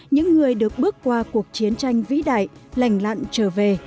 những người được bước qua cuộc chiến tranh vĩ đại lành lặn trở về